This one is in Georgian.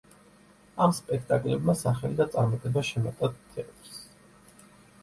ამ სპექტაკლებმა სახელი და წარმატება შემატა თეატრს.